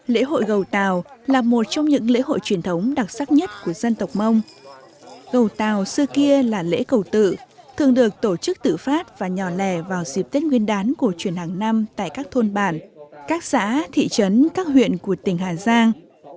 lễ hội gầu tàu là một trong những lễ hội truyền thống đặc sắc nhất của dân tộc mông gầu tàu xưa kia là lễ cầu tự thường được tổ chức tự phát và nhỏ lẻ vào dịp tết nguyên đán cổ truyền hàng năm tại các thôn bản các xã thị trấn các huyện của tỉnh hà giang